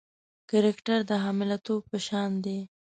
کرکټر د حامله توب په شان دی.